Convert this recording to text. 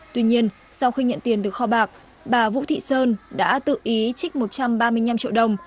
tuy nhiên sau khi nhận tiền từ kho bạc bà vũ thị sơn đã tự ý trích một trăm ba mươi năm triệu đồng